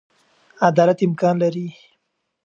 عدالت امکان لري.